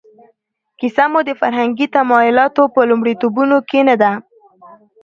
کیسه مو د فرهنګي تمایلاتو په لومړیتوبونو کې نه ده.